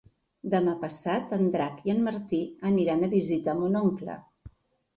Demà passat en Drac i en Martí aniran a visitar mon oncle.